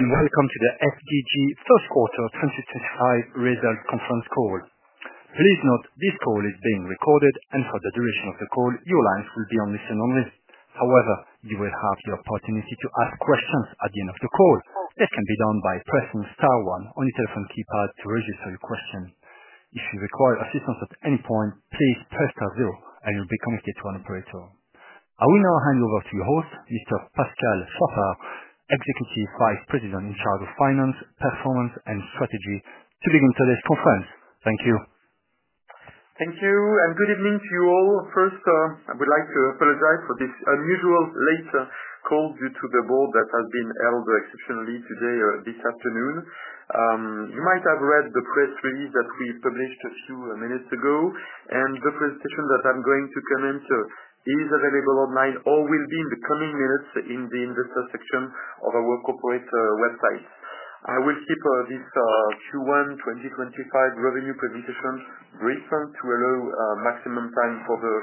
Welcome to the FDJ Group First Quarter 2025 Results Conference Call. Please note this call is being recorded, and for the duration of the call, your lines will be on listen-only. However, you will have your opportunity to ask questions at the end of the call. This can be done by pressing star one on your telephone keypad to register your question. If you require assistance at any point, please press star zero, and you'll be connected to an operator. I will now hand over to your host, Mr. Pascal Chaffard, Executive Vice President in charge of Finance, Performance, and Strategy, to begin today's conference. Thank you. Thank you, and good evening to you all. First, I would like to apologize for this unusual late call due to the board that has been held exceptionally today, this afternoon. You might have read the press release that we published a few minutes ago, and the presentation that I'm going to comment on is available online or will be in the coming minutes in the investor section of our corporate website. I will keep this Q1 2025 revenue presentation brief to allow maximum time for the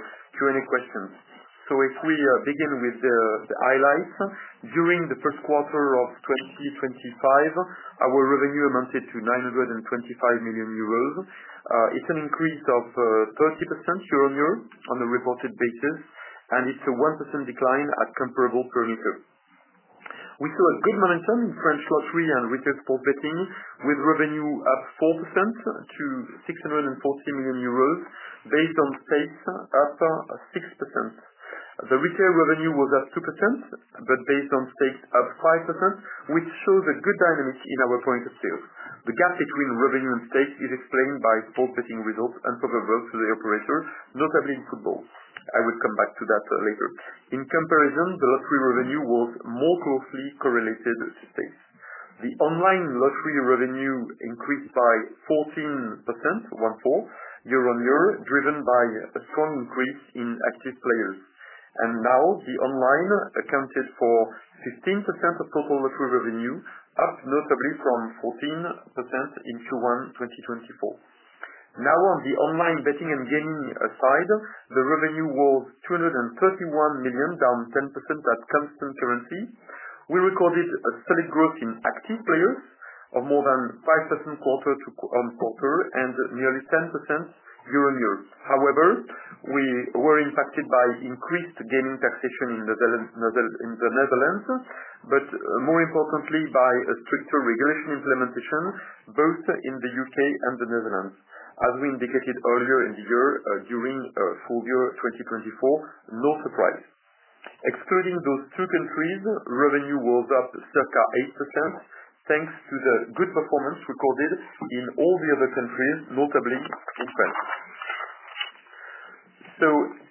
Q&A questions. If we begin with the highlights, during the first quarter of 2025, our revenue amounted to 925 million euros. It is an increase of 30% year-on-year on a reported basis, and it is a 1% decline at comparable perimeter. We saw a good momentum in French lottery and retail sports betting, with revenue up 4% to 640 million euros, based on stakes up 6%. The retail revenue was up 2%, but based on stakes up 5%, which shows a good dynamic in our point of sale. The gap between revenue and stakes is explained by sports betting results and unfavorable to the operator, notably in football. I will come back to that later. In comparison, the lottery revenue was more closely correlated to stakes. The online lottery revenue increased by 14%, one-four, year-on-year, driven by a strong increase in active players. Now, the online accounted for 15% of total lottery revenue, up notably from 14% in Q1 2024. Now, on the online betting and gaming side, the revenue was 231 million, down 10% at constant currency. We recorded a solid growth in active players of more than 5% quarter-on-quarter and nearly 10% year-on-year. However, we were impacted by increased gaming taxation in the Netherlands, but more importantly, by stricter regulation implementation, both in the U.K. and the Netherlands, as we indicated earlier in the year during full year 2024, no surprise. Excluding those two countries, revenue was up circa 8%, thanks to the good performance recorded in all the other countries, notably in France.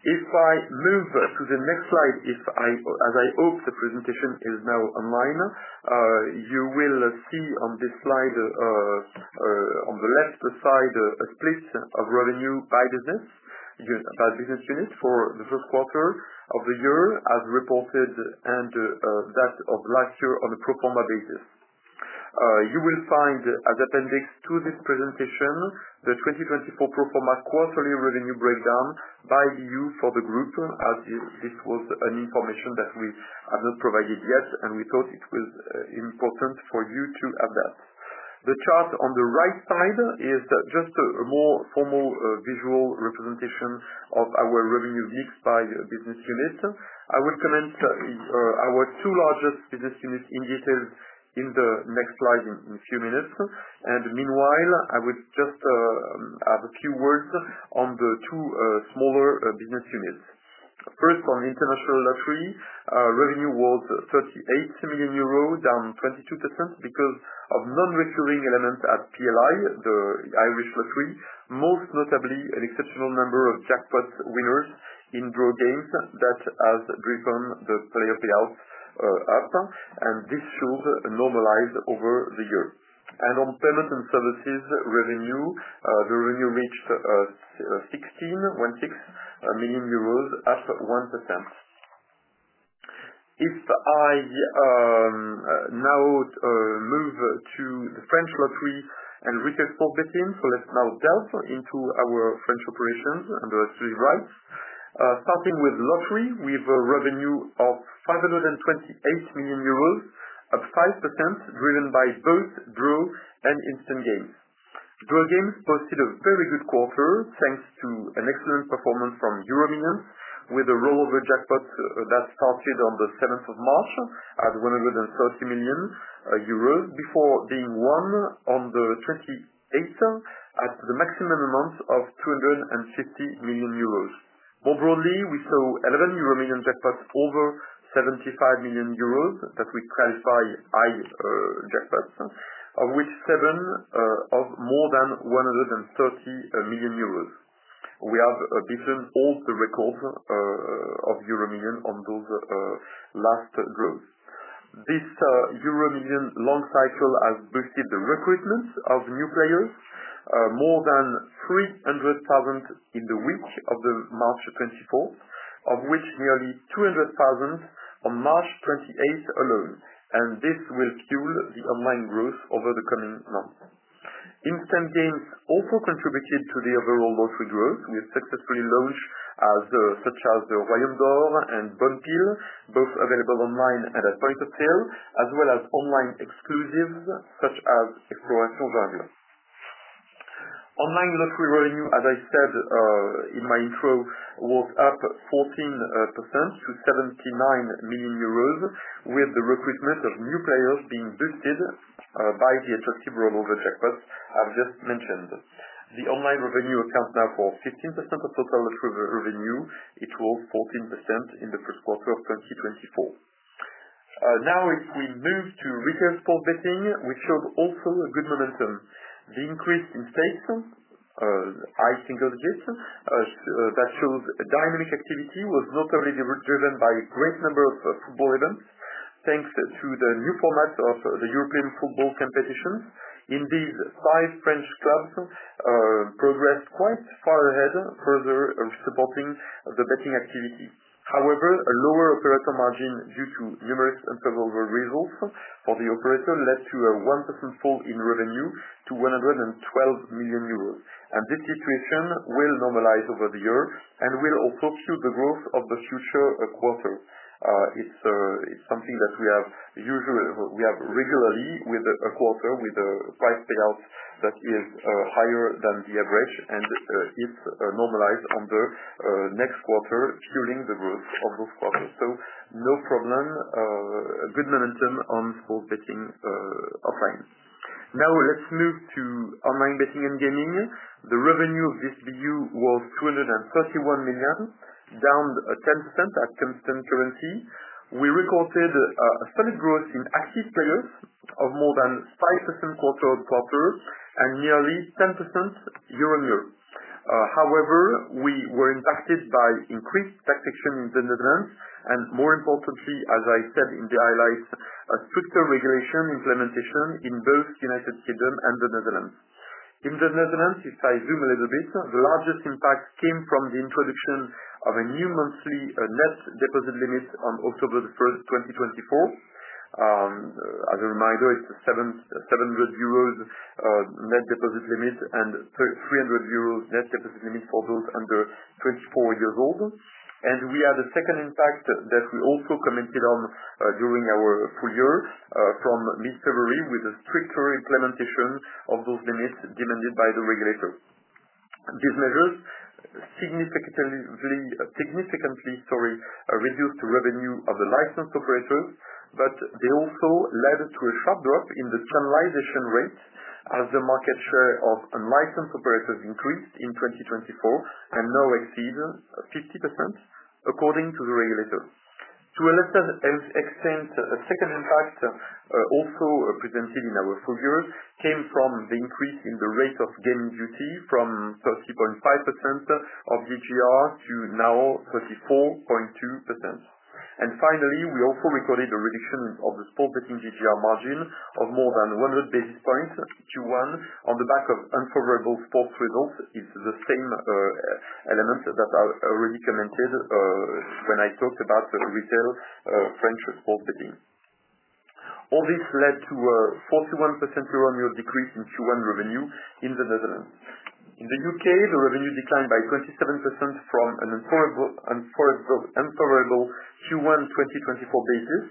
If I move to the next slide, as I hope the presentation is now online, you will see on this slide, on the left side, a split of revenue by business unit for the first quarter of the year, as reported, and that of last year on a pro forma basis. You will find, as appendix to this presentation, the 2024 pro forma quarterly revenue breakdown by BU for the group, as this was information that we have not provided yet, and we thought it was important for you to have that. The chart on the right side is just a more formal visual representation of our revenue mix by business unit. I will comment on our two largest business units in detail in the next slide in a few minutes. Meanwhile, I would just have a few words on the two smaller business units. First, on international lottery, revenue was 38 million euro, down 22% because of non-recurring elements at PLI, the Irish lottery, most notably an exceptional number of jackpot winners in draw games that has driven the player payouts up, and this showed a normalized over the year. On payment and services revenue, the revenue reached 16 million euros, up 1%. If I now move to the French lottery and retail sports betting, let's now delve into our French operations and the right. Starting with lottery, we have a revenue of 528 million euros, up 5%, driven by both draw and instant games. Draw games posted a very good quarter, thanks to an excellent performance from EuroMillions, with a rollover jackpot that started on the 7th of March at 130 million euros, before being won on the 28th at the maximum amount of 250 million euros. More broadly, we saw 11 million jackpots over EUR 75 million that we qualify high jackpots, of which seven of more than EUR 130 million. We have beaten all the records of EuroMillions on those last draws. This EuroMillions long cycle has boosted the recruitment of new players, more than 300,000 in the week of March 24, of which nearly 200,000 on March 28 alone, and this will fuel the online growth over the coming months. Instant games also contributed to the overall lottery growth. We have successfully launched, such as the Royaume d'Or and Bonne Paye, both available online and at point of sale, as well as online exclusives such as Expédition Jungle. Online lottery revenue, as I said in my intro, was up 14% to 79 million euros, with the recruitment of new players being boosted by the attractive rollover jackpots I've just mentioned. The online revenue accounts now for 15% of total revenue. It was 14% in the first quarter of 2024. Now, if we move to retail sports betting, we showed also a good momentum. The increase in stakes, high single digits, that shows dynamic activity was notably driven by a great number of football events, thanks to the new format of the European football competitions. In these, five French clubs progressed quite far ahead, further supporting the betting activity. However, a lower operator margin due to numerous and proverbial results for the operator led to a 1% fall in revenue to 112 million euros. This situation will normalize over the year and will also fuel the growth of the future quarter. It's something that we have regularly with a quarter with prize payouts that is higher than the average, and it's normalized on the next quarter, fueling the growth of those quarters. No problem, a good momentum on sports betting offline. Now, let's move to online betting and gaming. The revenue of this BU was 231 million, down 10% at constant currency. We recorded a solid growth in active players of more than 5% quarter-on-quarter and nearly 10% year-on-year. However, we were impacted by increased taxation in the Netherlands and, more importantly, as I said in the highlights, a stricter regulation implementation in both the U.K. and the Netherlands. In the Netherlands, if I zoom a little bit, the largest impact came from the introduction of a new monthly net deposit limit on October the 1st, 2024. As a reminder, it's 700 euros net deposit limit and 300 euros net deposit limit for those under 24 years old. We had a second impact that we also commented on during our full year from mid-February with a stricter implementation of those limits demanded by the regulator. These measures significantly reduced the revenue of the licensed operators, but they also led to a sharp drop in the channelization rate as the market share of unlicensed operators increased in 2024 and now exceeds 50%, according to the regulator. To a lesser extent, a second impact also presented in our figures came from the increase in the rate of game duty from 30.5% of GGR to now 34.2%. Finally, we also recorded a reduction of the sports betting GGR margin of more than 100 basis points to one on the back of unfavorable sports results. It is the same element that I already commented when I talked about retail French sports betting. All this led to a 41% year-on-year decrease in Q1 revenue in the Netherlands. In the U.K., the revenue declined by 27% from an unfavorable Q1 2024 basis,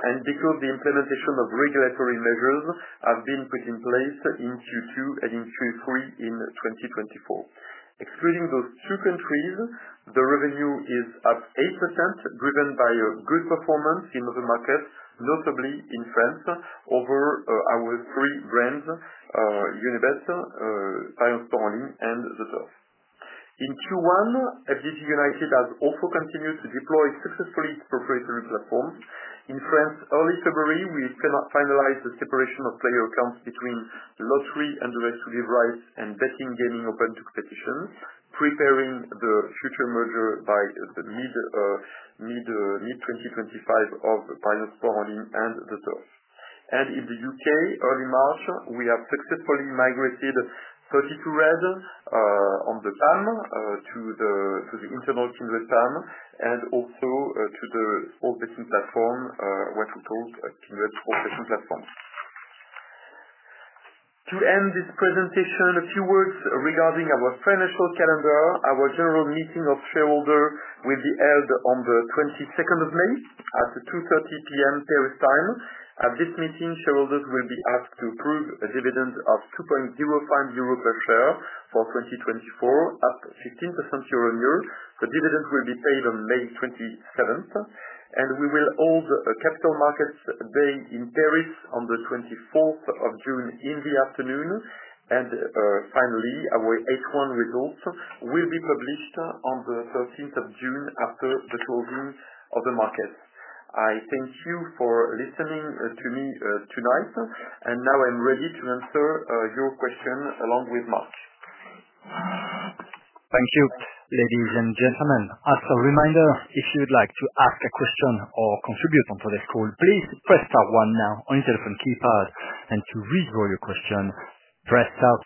and because the implementation of regulatory measures has been put in place in Q2 and in Q3 in 2024. Excluding those two countries, the revenue is up 8%, driven by good performance in other markets, notably in France, over our three brands, Unibet, Parions Sport, and ZeTurf. In Q1, FDJ United has also continued to deploy successfully its proprietary platform. In France, early February, we finalized the separation of player accounts between the lottery and the rest of the rights and betting gaming open to competition, preparing the future merger by mid-2025 of Parions Sport and ZeTurf. In the U.K., early March, we have successfully migrated 32Red on the PAM to the internal Kindred PAM and also to the sports betting platform, what we call Kindred Sports Betting Platform. To end this presentation, a few words regarding our financial calendar. Our general meeting of shareholders will be held on the 22nd of May at 2:30 P.M. Paris time. At this meeting, shareholders will be asked to approve a dividend of 2.05 euro per share for 2024, up 15% year-on-year. The dividend will be paid on May 27th, and we will hold a capital markets day in Paris on the 24th of June in the afternoon. Finally, our H1 results will be published on the 13th of June after the closing of the markets. I thank you for listening to me tonight, and now I'm ready to answer your question along with Marc. Thank you, ladies and gentlemen. As a reminder, if you'd like to ask a question or contribute on today's call, please press star 1 now on your telephone keypad, and to redo your question, press star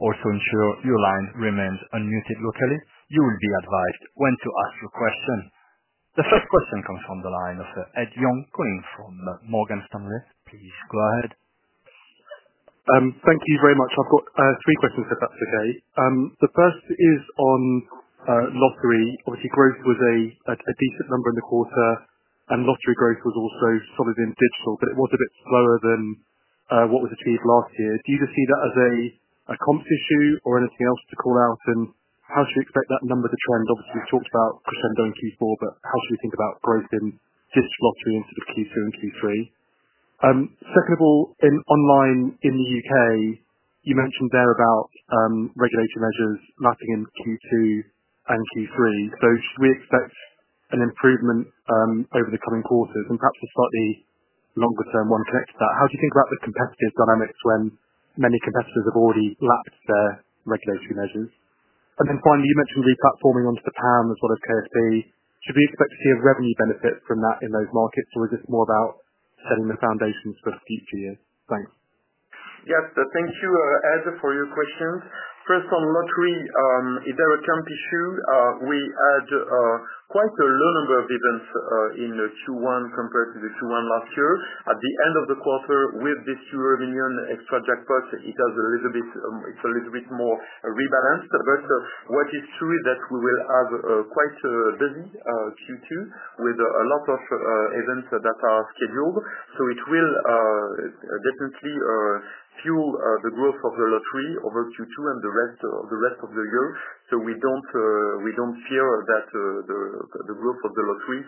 2. Also, ensure your line remains unmuted locally. You will be advised when to ask your question. The first question comes from the line of Ed Young calling from Morgan Stanley. Please go ahead. Thank you very much. I've got three questions if that's okay. The first is on lottery. Obviously, growth was a decent number in the quarter, and lottery growth was also solid in digital, but it was a bit slower than what was achieved last year. Do you just see that as a comps issue or anything else to call out? How should we expect that number to trend? Obviously, we've talked about crescendo in Q4, but how should we think about growth in digital lottery instead of Q2 and Q3? Second of all, in online in the U.K., you mentioned there about regulatory measures lapping in Q2 and Q3. Should we expect an improvement over the coming quarters and perhaps a slightly longer-term one connected to that? How do you think about the competitive dynamics when many competitors have already lapped their regulatory measures? Finally, you mentioned replatforming onto the PAM as well as KSP. Should we expect to see a revenue benefit from that in those markets, or is this more about setting the foundations for future years? Thanks. Yes, thank you, Ed, for your questions. First, on lottery, if there are camp issues, we had quite a low number of events in Q1 compared to the Q1 last year. At the end of the quarter, with this Euromillions extra jackpot, it has a little bit more rebalanced. What is true is that we will have quite a busy Q2 with a lot of events that are scheduled. It will definitely fuel the growth of the lottery over Q2 and the rest of the year. We do not fear that the growth of the lottery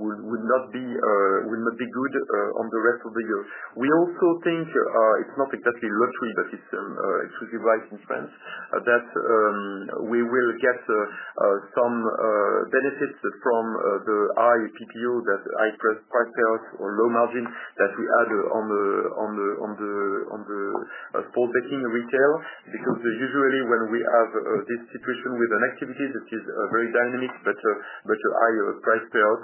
will not be good on the rest of the year. We also think it's not exactly lottery, but it's exclusive rights in France, that we will get some benefits from the high PPO, that high prize payouts or low margin that we had on the sports betting retail, because usually when we have this situation with an activity that is very dynamic, but a high price payout,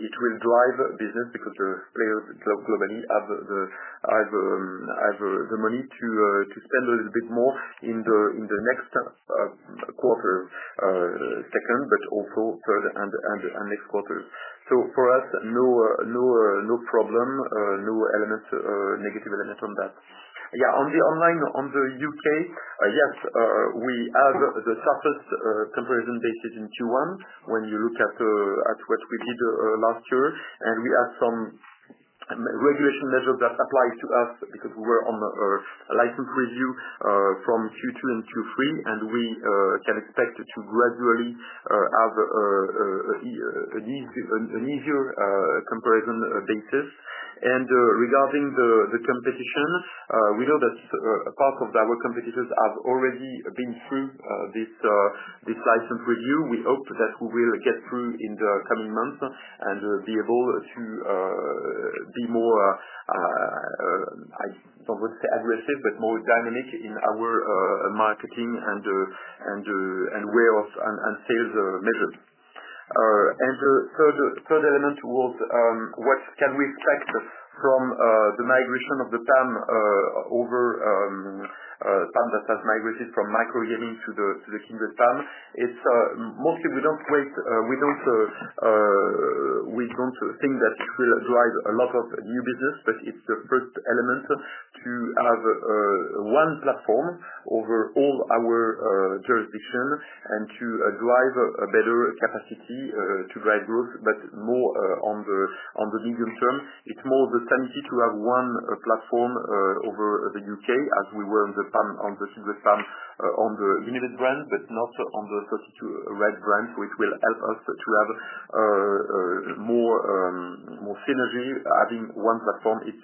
it will drive business because the players globally have the money to spend a little bit more in the next quarter, second, but also third and next quarters. For us, no problem, no negative element on that. Yeah, on the online on the U.K., yes, we have the sharpest comparison basis in Q1 when you look at what we did last year, and we have some regulation measures that apply to us because we were on a license review from Q2 and Q3, and we can expect to gradually have an easier comparison basis. Regarding the competition, we know that part of our competitors have already been through this license review. We hope that we will get through in the coming months and be able to be more, I do not want to say aggressive, but more dynamic in our marketing and way of sales measures. The third element was, what can we expect from the migration of the PAM over PAM that has migrated from Microgaming to the Kindred PAM? It's mostly we don't think that it will drive a lot of new business, but it's the first element to have one platform over all our jurisdiction and to drive a better capacity to drive growth, but more on the medium term. It's more the sanity to have one platform over the U.K., as we were on the Kindred PAM on the Unibet brand, but not on the 32Red brand, so it will help us to have more synergy having one platform. It's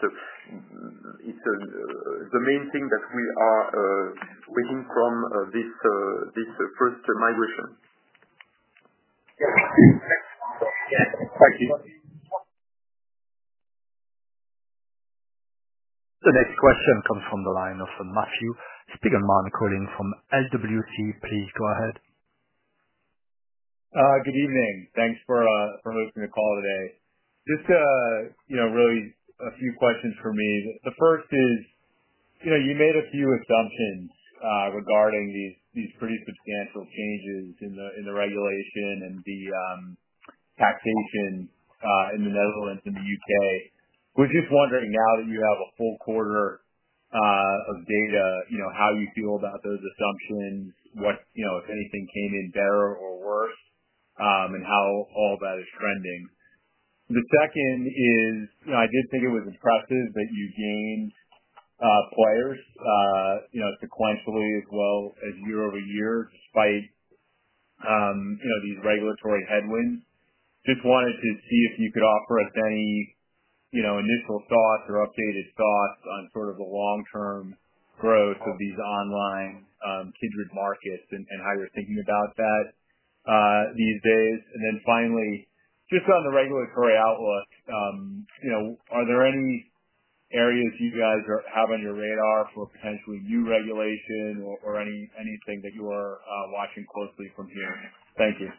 the main thing that we are waiting from this first migration. Thank you. The next question comes from the line of Matthew. Speaker Martin calling from LWC. Please go ahead. Good evening. Thanks for hosting the call today. Just really a few questions for me. The first is, you made a few assumptions regarding these pretty substantial changes in the regulation and the taxation in the Netherlands and the U.K. We're just wondering now that you have a full quarter of data, how you feel about those assumptions, if anything came in better or worse, and how all that is trending. The second is, I did think it was impressive that you gained players sequentially as well as year-over-year despite these regulatory headwinds. Just wanted to see if you could offer us any initial thoughts or updated thoughts on sort of the long-term growth of these online Kindred markets and how you're thinking about that these days. Finally, just on the regulatory outlook, are there any areas you guys have on your radar for potentially new regulation or anything that you are watching closely from here? Thank you.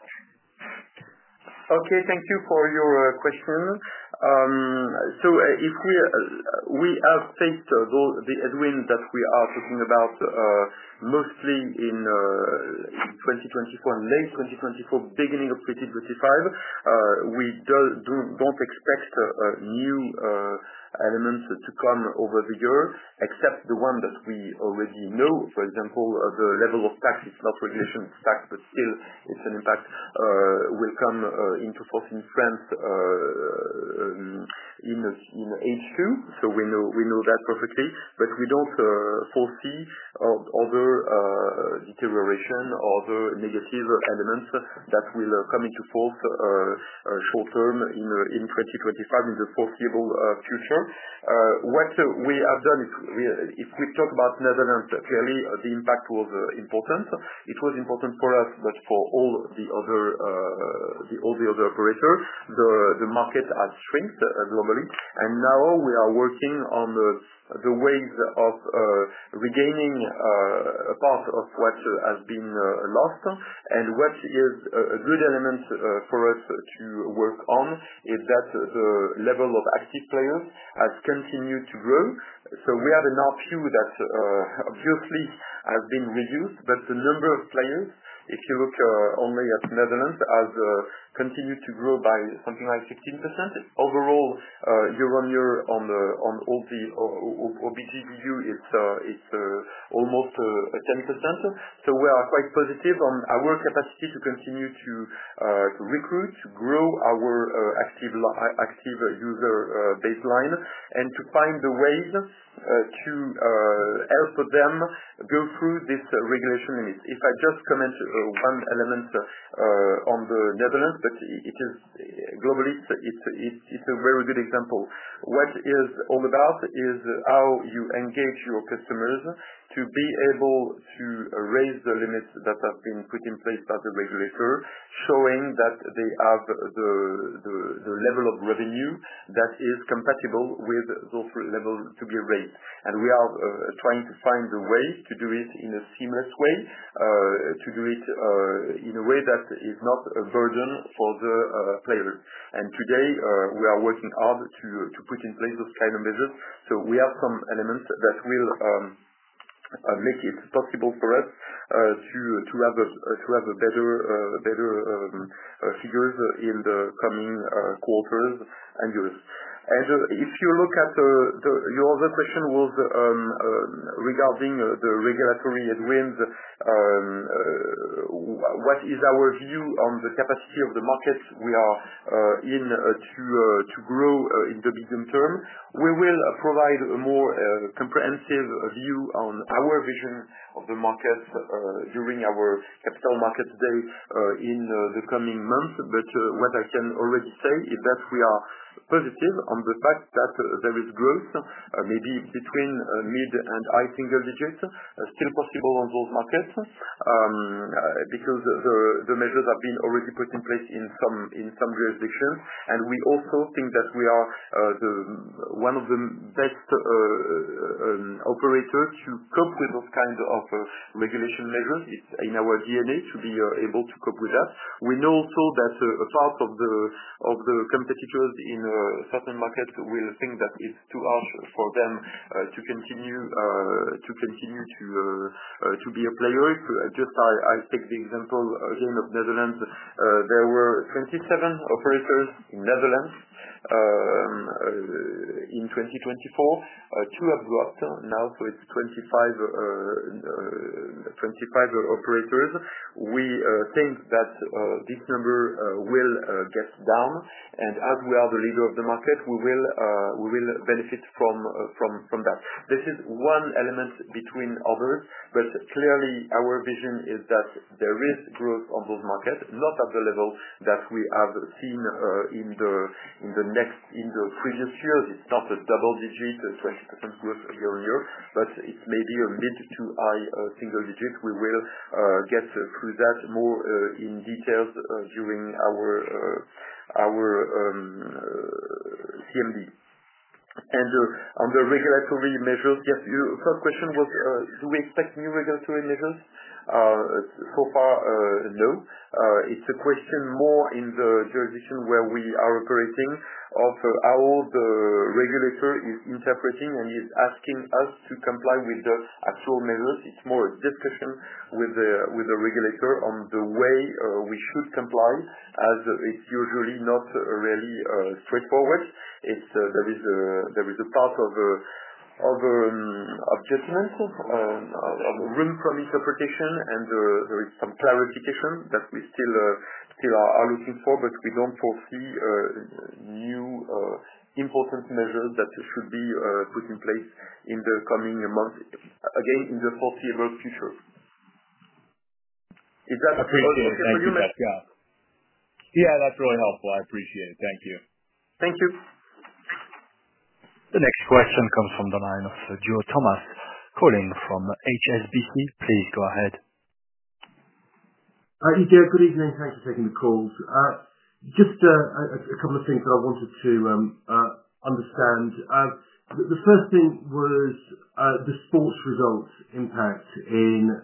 Okay, thank you for your question. If we have faced the headwinds that we are talking about mostly in 2024 and late 2024, beginning of 2025, we do not expect new elements to come over the year except the ones that we already know. For example, the level of tax, it is not regulation of tax, but still, its impact will come into force in France in H2. We know that perfectly, but we do not foresee other deterioration or other negative elements that will come into force short-term in 2025, in the foreseeable future. What we have done is, if we talk about Netherlands, clearly the impact was important. It was important for us, but for all the other operators, the market has shrunk globally. Now we are working on the ways of regaining a part of what has been lost. What is a good element for us to work on is that the level of active players has continued to grow. We have an RPU that obviously has been reduced, but the number of players, if you look only at Netherlands, has continued to grow by something like 15%. Overall, year-on-year on all the OBG BU, it is almost 10%. We are quite positive on our capacity to continue to recruit, to grow our active user baseline, and to find the ways to help them go through these regulation limits. If I just comment one element on the Netherlands, but globally, it is a very good example. What it is all about is how you engage your customers to be able to raise the limits that have been put in place by the regulator, showing that they have the level of revenue that is compatible with those levels to be raised. We are trying to find a way to do it in a seamless way, to do it in a way that is not a burden for the players. Today, we are working hard to put in place those kind of measures. We have some elements that will make it possible for us to have better figures in the coming quarters and years. If you look at your other question, it was regarding the regulatory headwinds, what is our view on the capacity of the market we are in to grow in the medium term? We will provide a more comprehensive view on our vision of the market during our capital markets day in the coming months. What I can already say is that we are positive on the fact that there is growth, maybe between mid and high single digits, still possible on those markets because the measures have been already put in place in some jurisdictions. We also think that we are one of the best operators to cope with those kinds of regulation measures. It's in our DNA to be able to cope with that. We know also that part of the competitors in certain markets will think that it's too harsh for them to continue to be a player. I take the example again of Netherlands. There were 27 operators in Netherlands in 2024, two absorbed. Now, so it's 25 operators. We think that this number will get down. As we are the leader of the market, we will benefit from that. This is one element between others, but clearly, our vision is that there is growth on those markets, not at the level that we have seen in the previous years. It's not a double-digit 20% growth year-on-year, but it's maybe a mid to high single digit. We will get through that more in details during our CMD. On the regulatory measures, yes, your first question was, do we expect new regulatory measures? So far, no. It's a question more in the jurisdiction where we are operating of how the regulator is interpreting and is asking us to comply with the actual measures. It's more a discussion with the regulator on the way we should comply, as it's usually not really straightforward. There is a part of objections of room from interpretation, and there is some clarification that we still are looking for, but we do not foresee new important measures that should be put in place in the coming months, again, in the foreseeable future. Is that okay for you? Yeah, that is really helpful. I appreciate it. Thank you. Thank you. The next question comes from the line of Stéphane Thomas, calling from HSBC. Please go ahead. ETA, good evening. Thank you for taking the call. Just a couple of things that I wanted to understand. The first thing was the sports results impact in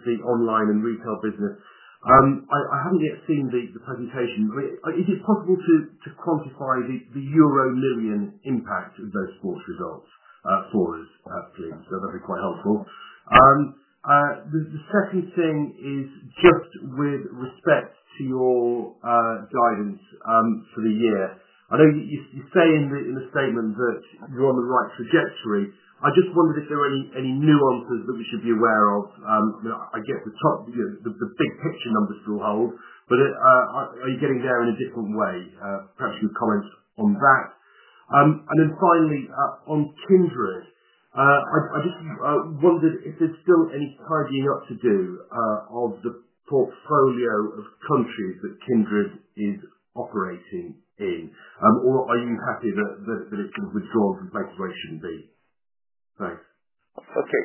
the online and retail business. I have not yet seen the presentation. Is it possible to quantify the Euromillions impact of those sports results for us, please? That would be quite helpful. The second thing is just with respect to your guidance for the year. I know you say in the statement that you're on the right trajectory. I just wondered if there were any nuances that we should be aware of. I get the big picture numbers still hold, but are you getting there in a different way? Perhaps you could comment on that. Finally, on Kindred, I just wondered if there's still any tidying up to do of the portfolio of countries that Kindred is operating in, or are you happy that it's been withdrawn from places where it shouldn't be? Thanks. Okay.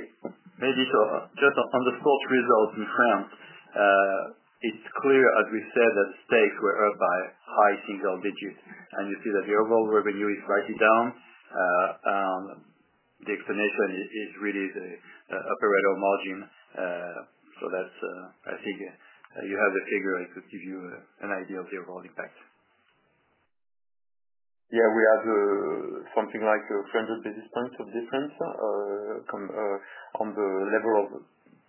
Maybe just on the sports results in France, it's clear, as we said, that the stakes were earned by high single digits, and you see that the overall revenue is writing down. The explanation is really the operator margin. I think you have the figure. It could give you an idea of the overall impact. Yeah, we had something like 300 basis points of difference on the level of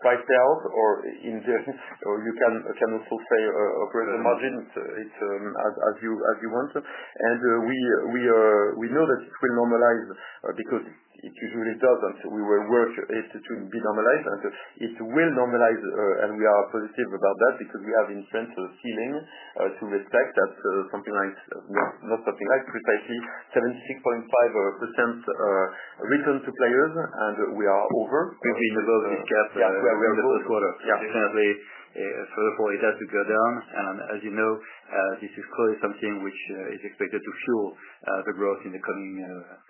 price sales or in the. You can also say operator margin, as you want. We know that it will normalize because it usually does, and we will work to be normalized. It will normalize, and we are positive about that because we have in France a ceiling to respect that is precisely 76.5% return to players, and we are over. We've been above this gap in the first quarter. Yeah, clearly, first of all, it has to go down. As you know, this is clearly something which is expected to fuel the growth in the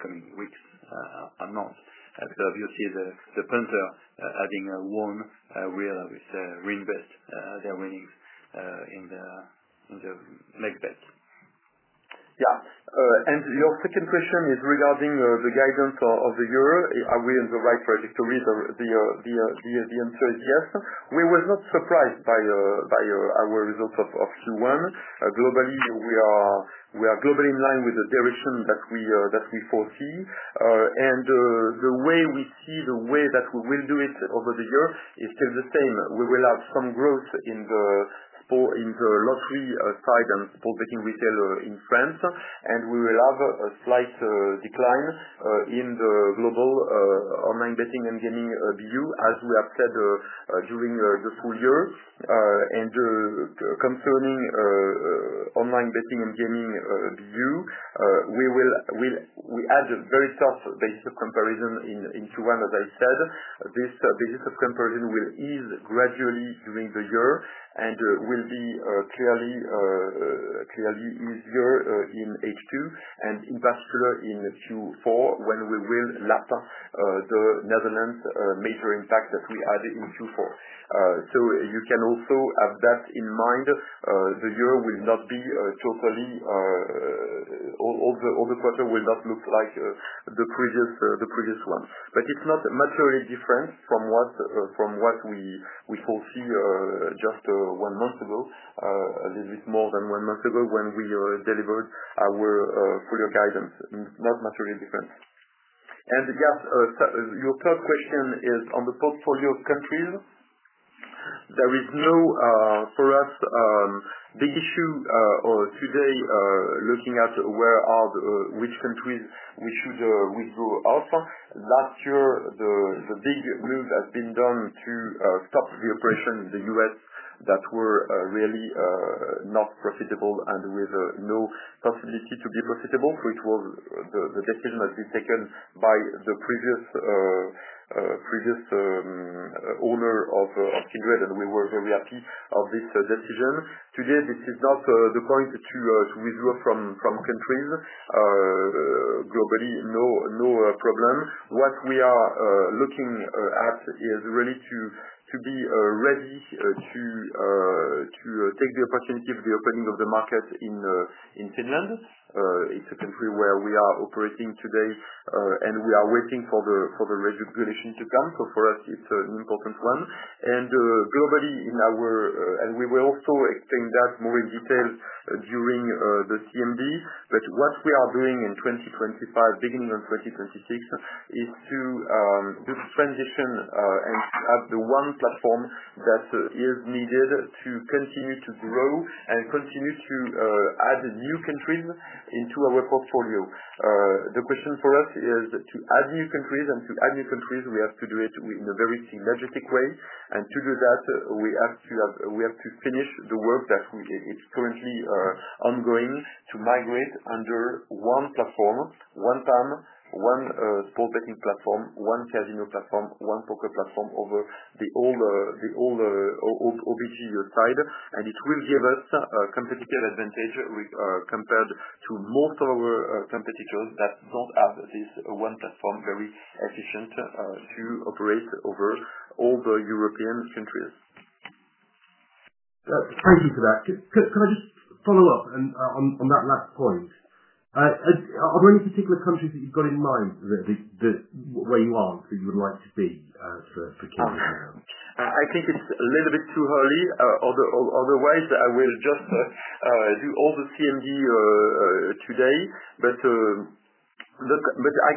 coming weeks and months. You see the punter having won reinvest their winnings in the next bet. Yeah. Your second question is regarding the guidance of the euro. Are we in the right trajectory? The answer is yes. We were not surprised by our results of Q1. Globally, we are globally in line with the direction that we foresee. The way we see the way that we will do it over the year is still the same. We will have some growth in the lottery side and sports betting retail in France, and we will have a slight decline in the global online betting and gaming BU, as we have said during the full year. Concerning online betting and gaming BU, we had a very tough basis of comparison in Q1, as I said. This basis of comparison will ease gradually during the year and will be clearly easier in H2 and in particular in Q4, when we will lap the Netherlands' major impact that we had in Q4. You can also have that in mind. The year will not be totally, all the quarter will not look like the previous one. It is not materially different from what we foresee just one month ago, a little bit more than one month ago when we delivered our full year guidance. Not materially different. Yes, your third question is on the portfolio of countries. There is no, for us, big issue today looking at which countries we should withdraw off. Last year, the big move has been done to stop the operation in the U.S. that were really not profitable and with no possibility to be profitable. It was the decision that has been taken by the previous owner of Kindred, and we were very happy of this decision. Today, this is not the point to withdraw from countries globally, no problem. What we are looking at is really to be ready to take the opportunity of the opening of the market in Finland. It is a country where we are operating today, and we are waiting for the regulation to come. For us, it is an important one. Globally, in our, and we will also explain that more in detail during the CMD. What we are doing in 2025, beginning on 2026, is to transition and have the one platform that is needed to continue to grow and continue to add new countries into our portfolio. The question for us is to add new countries, and to add new countries, we have to do it in a very synergetic way. To do that, we have to finish the work that is currently ongoing to migrate under one platform, one PAM, one sports betting platform, one casino platform, one poker platform over the old OBGU side. It will give us a competitive advantage compared to most of our competitors that do not have this one platform very efficient to operate over all the European countries. Thank you for that. Can I just follow up on that last point? Are there any particular countries that you have in mind where you are that you would like to be for Kindred now? I think it is a little bit too early. Otherwise, I would just do all the CMD today, but I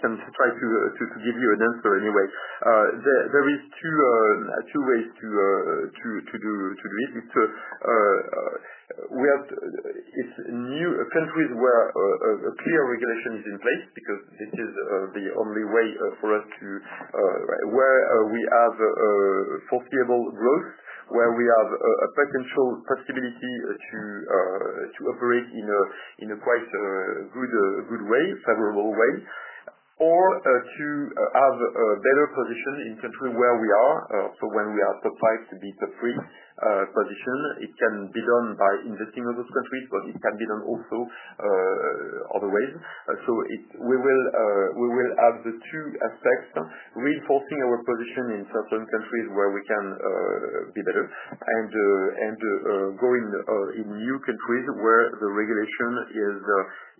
can try to give you an answer anyway. There are two ways to do it. It's new countries where a clear regulation is in place because this is the only way for us to where we have foreseeable growth, where we have a potential possibility to operate in a quite good way, favorable way, or to have a better position in the country where we are. When we are top five, to be top three position, it can be done by investing in those countries, but it can be done also other ways. We will have the two aspects, reinforcing our position in certain countries where we can be better and going in new countries where the regulation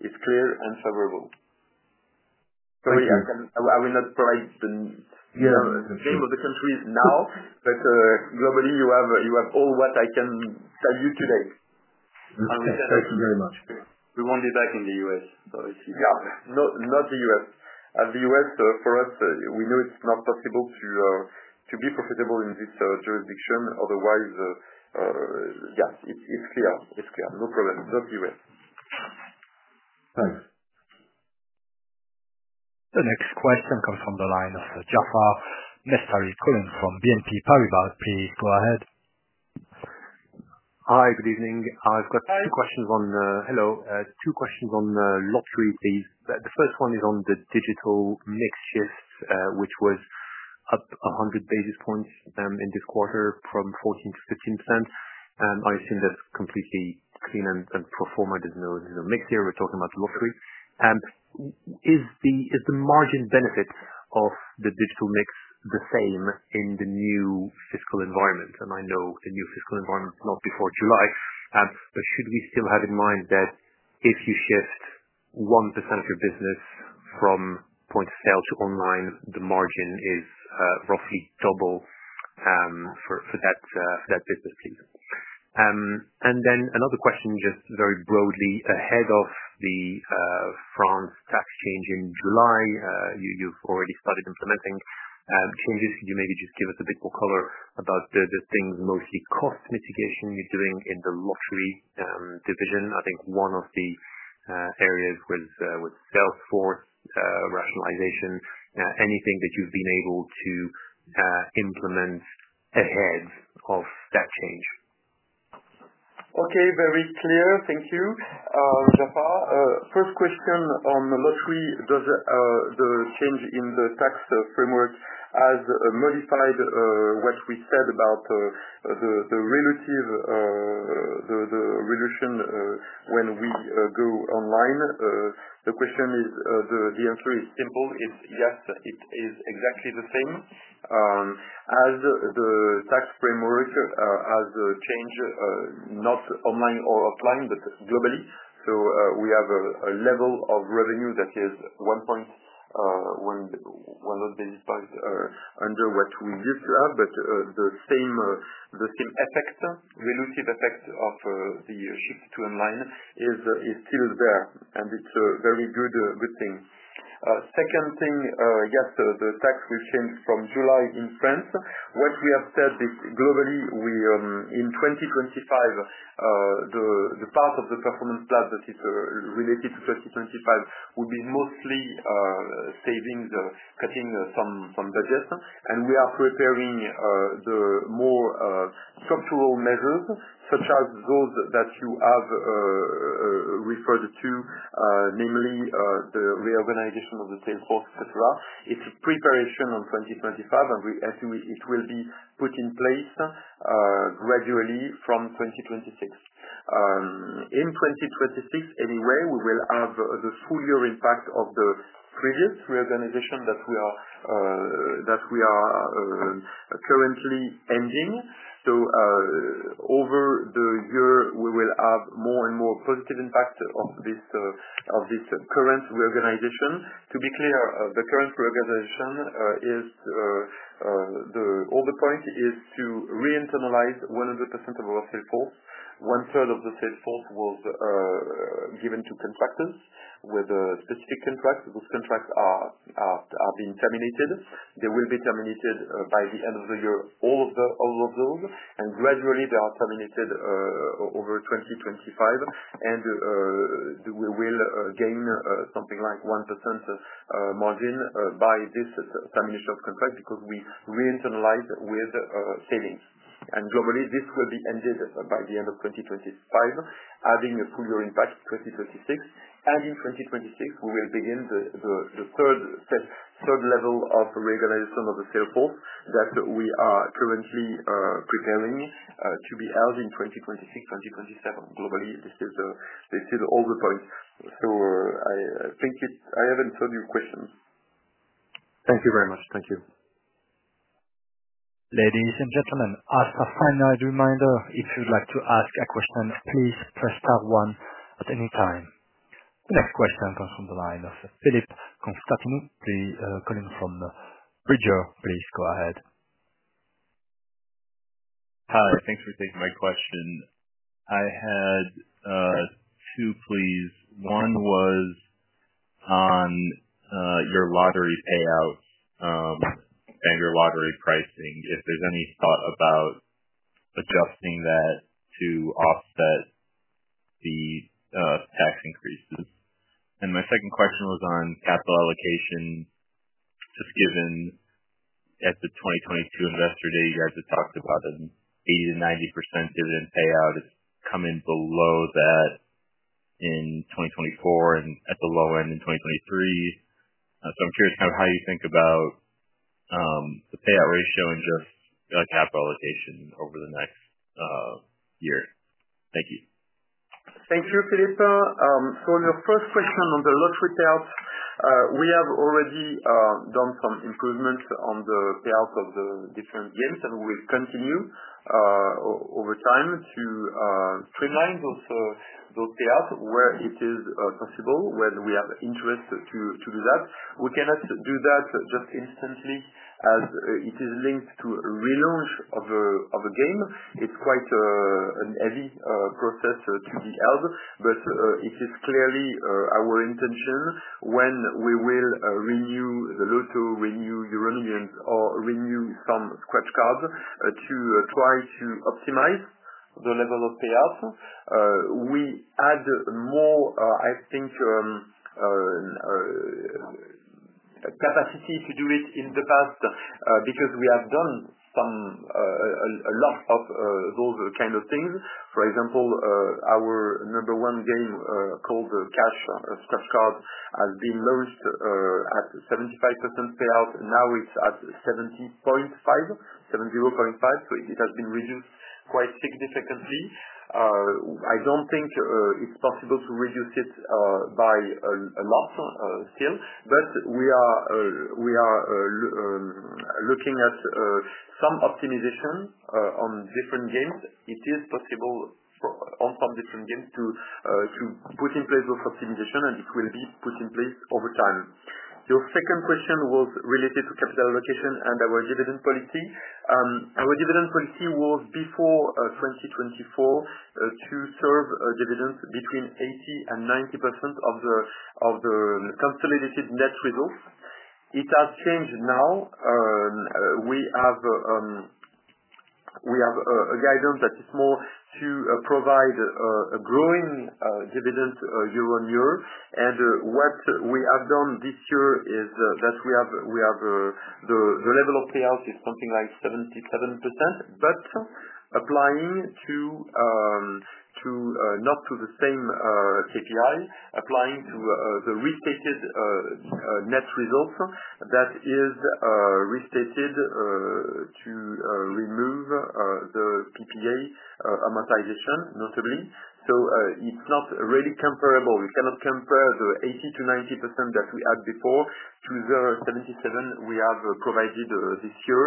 is clear and favorable. Sorry, I will not provide the name of the countries now, but globally, you have all what I can tell you today. Thank you very much. We won't be back in the U.S., so it's not the U.S. The U.S., for us, we know it's not possible to be profitable in this jurisdiction. Otherwise, yeah, it's clear. It's clear. No problem. Just the U.S. Thanks. The next question comes from the line of Jaafar Mestari calling from BNP Paribas, please go ahead. Hi, good evening. I've got two questions on hello, two questions on lottery, please. The first one is on the digital mix shifts, which was up 100 basis points in this quarter from 14% to 15%. I assume that's completely clean and pro forma. There's no mix here. We're talking about the lottery. Is the margin benefit of the digital mix the same in the new fiscal environment? I know the new fiscal environment is not before July, but should we still have in mind that if you shift 1% of your business from point of sale to online, the margin is roughly double for that business, please? Another question, just very broadly ahead of the France tax change in July, you've already started implementing changes. Could you maybe just give us a bit more color about the things, mostly cost mitigation you're doing in the lottery division? I think one of the areas was sales force rationalization. Anything that you've been able to implement ahead of that change? Okay, very clear. Thank you, Jaafar. First question on the lottery, does the change in the tax framework have modified what we said about the relative revolution when we go online? The answer is simple. Yes, it is exactly the same. Has the tax framework changed not online or offline, but globally? We have a level of revenue that is 1,100 basis points under what we used to have, but the same effect, relative effect of the shift to online is still there, and it is a very good thing. Second thing, yes, the tax will change from July in France. What we have said is globally, in 2025, the part of the performance plan that is related to 2025 will be mostly savings, cutting some budgets, and we are preparing the more structural measures, such as those that you have referred to, namely the reorganization of the sales force, etc. It is a preparation on 2025, and it will be put in place gradually from 2026. In 2026, anyway, we will have the full year impact of the previous reorganization that we are currently ending. Over the year, we will have more and more positive impact of this current reorganization. To be clear, the current reorganization is the all the point is to reinternalize 100% of our sales force. One third of the sales force was given to contractors with specific contracts. Those contracts are being terminated. They will be terminated by the end of the year, all of those. Gradually, they are terminated over 2025, and we will gain something like 1% margin by this termination of contract because we reinternalize with savings. Globally, this will be ended by the end of 2025, having a full year impact 2026. In 2026, we will begin the third level of reorganization of the sales force that we are currently preparing to be held in 2026, 2027. Globally, this is all the point. I think I haven't heard your question. Thank you very much. Thank you. Ladies and gentlemen, as a final reminder, if you'd like to ask a question, please press star 1 at any time. The next question comes from the line of Philippe Constantin, the colleague from Bridger. Please go ahead. Hi, thanks for taking my question. I had two, please. One was on your lottery payouts and your lottery pricing, if there's any thought about adjusting that to offset the tax increases. And my second question was on capital allocation, just given at the 2022 Investor Day, you guys had talked about an 80-90% dividend payout. It's coming below that in 2024 and at the low end in 2023. So I'm curious kind of how you think about the payout ratio and just capital allocation over the next year. Thank you. Thank you, Philippe. For your first question on the lottery payouts, we have already done some improvements on the payouts of the different games, and we will continue over time to streamline those payouts where it is possible, where we have interest to do that. We cannot do that just instantly as it is linked to a relaunch of a game. It is quite a heavy process to be held, but it is clearly our intention when we will renew the Lotto, renew Euromillions, or renew some scratch cards to try to optimize the level of payouts. We had more, I think, capacity to do it in the past because we have done a lot of those kind of things. For example, our number one game called Cash Scratch Card has been lowered at 75% payout. Now it is at 70.5%, 70.5%, so it has been reduced quite significantly. I don't think it's possible to reduce it by a lot still, but we are looking at some optimization on different games. It is possible on some different games to put in place those optimizations, and it will be put in place over time. Your second question was related to capital allocation and our dividend policy. Our dividend policy was before 2024 to serve dividends between 80% and 90% of the consolidated net results. It has changed now. We have a guidance that is more to provide a growing dividend year on year. What we have done this year is that we have the level of payout is something like 77%, but applying to not to the same KPI, applying to the restated net results that is restated to remove the PPA amortization, notably. So it's not really comparable. We cannot compare the 80-90% that we had before to the 77% we have provided this year.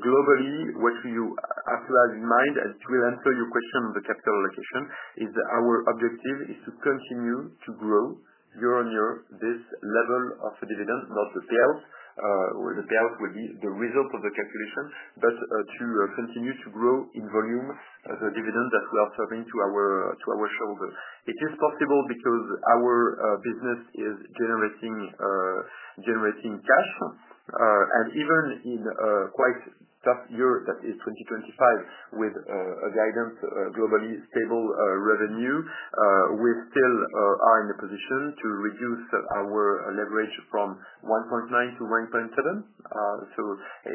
Globally, what you have to have in mind, and to answer your question on the capital allocation, is that our objective is to continue to grow year on year this level of dividend, not the payout. The payout will be the result of the calculation, but to continue to grow in volume the dividend that we are serving to our shareholder. It is possible because our business is generating cash. Even in a quite tough year that is 2025, with a guidance of globally stable revenue, we still are in a position to reduce our leverage from 1.9 to 1.7.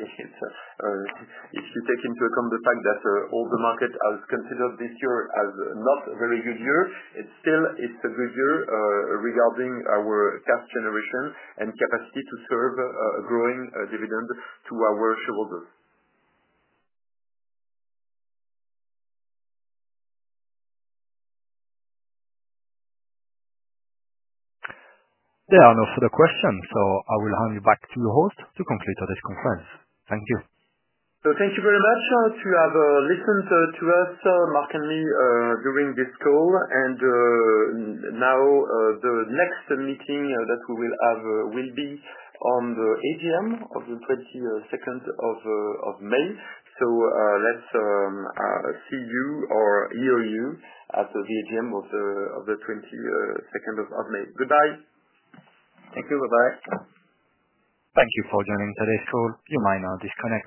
If you take into account the fact that all the market has considered this year as not a very good year, it's still a good year regarding our cash generation and capacity to serve a growing dividend to our shareholders. There are no further questions, so I will hand you back to your host to conclude today's conference. Thank you. Thank you very much to have listened to us, Mark and me, during this call. The next meeting that we will have will be on the AGM of the 22nd of May. Let's see you or hear you at the AGM of the 22nd of May. Goodbye. Thank you. Bye-bye. Thank you for joining today's call. You may now disconnect.